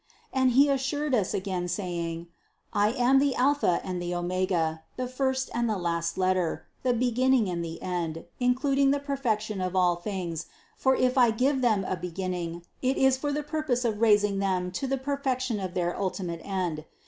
And He assured us again saying: I am the Alpha and the Omega, the first and the last letter, the beginning and the end, including the perfection of all things; for if I give them a beginning, it is for the purpose of raising them to the perfection of their ultimate end.